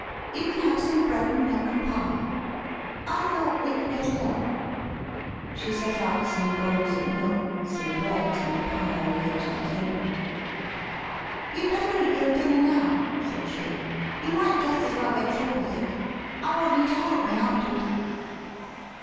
You can have some bread an* milk an' pie. I thought we could get along." She set out some bowls of milk, some bread, and a pie on the kitchen table. " You'd better eat your dinner now," said she. " You might jest as well get through with it. I want you to help me afterward."